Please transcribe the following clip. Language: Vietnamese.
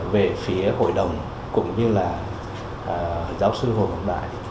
về phía hội đồng cũng như là giáo sư hồ ngọc đại